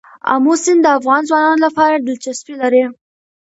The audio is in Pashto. آمو سیند د افغان ځوانانو لپاره دلچسپي لري.